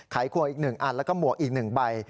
ครัวอีก๑อันแล้วก็หมวกอีก๑ใบ